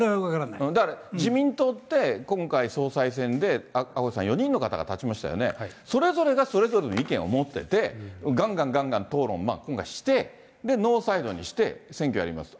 だから自民党って、今回、総裁選で赤星さん、４人の方が立ちましたよね、それぞれがそれぞれの意見を持ってて、がんがんがんがん討論今回して、ノーサイドにして選挙やりますと。